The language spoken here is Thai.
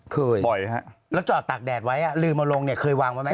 บ่อยฮะแล้วจอดตากแดดไว้ลืมเอาลงเนี่ยเคยวางไว้ไหม